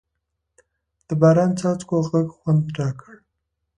د باران څاڅکو غږ خوند راکړ.